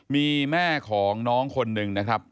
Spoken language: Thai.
มีแม่ของน้องคนหนึ่งนะครับ